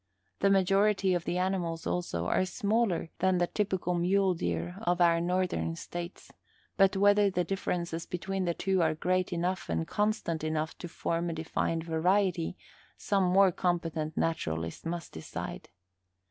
The majority of the animals also are smaller than the typical mule deer of our Northern States, but whether the differences between the two are great enough and constant enough to form a defined variety, some more competent naturalist must decide.